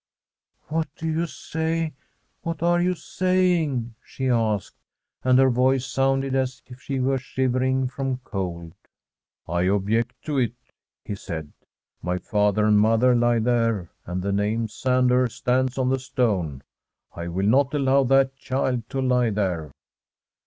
' What do you say? What are you saying?' she asked, and her voice sounded as if she were shiverinp^ from cold. ' I object to it,* he said. * My father and my mother lie there, and the name " Sander " stands on the stone. I will not allow that child to lie there.'